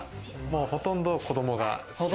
ほとんど子供が。